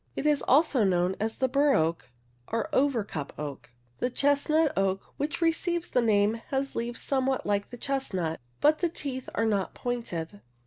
It is also known as the bur oak or over cup oak {Figures 6 and 7). The chestnut oak which receives the name has leaves somewhat like the chestnut, but I the teeth are not pointed (Fig.